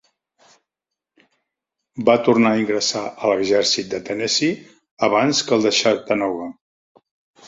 Va tornar a ingressar a l'Exèrcit de Tennessee abans que el de Chattanooga.